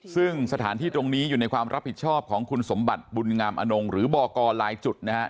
ซึ่งสถานที่ตรงนี้อยู่ในความรับผิดชอบของคุณสมบัติบุญงามอนงหรือบอกกรลายจุดนะครับ